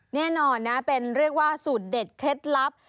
แน่นอนนะเป็นเรียกว่าสูตรเด็ดเคล็ดลับ